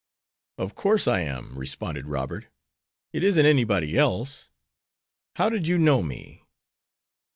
"Of course I am," responded Robert. "It isn't anybody else. How did you know me?"